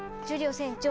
船長